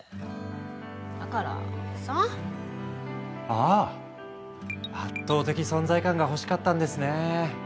ああ圧倒的存在感が欲しかったんですねえ。